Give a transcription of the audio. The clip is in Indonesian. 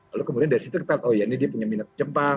lalu kemudian dari situ kita lihat oh ya ini dia punya minat jepang